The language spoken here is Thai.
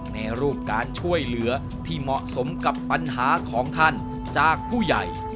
ในรูปการช่วยเหลือที่เหมาะสมกับปัญหาของท่านจากผู้ใหญ่